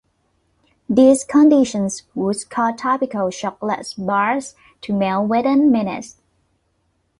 These conditions would cause typical chocolate bars to melt within minutes.